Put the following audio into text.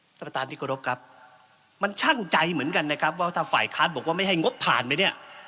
ท่านประธานที่กรบครับมันช่างใจเหมือนกันนะครับว่าถ้าฝ่ายค้านบอกว่าไม่ให้งบผ่านไปเนี่ย